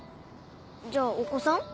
じゃあお子さん？